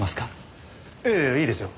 ええいいですよ。